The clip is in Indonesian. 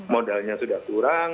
modalnya sudah kurang